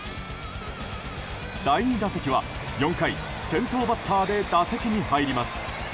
第２打席は４回先頭バッターで打席に入ります。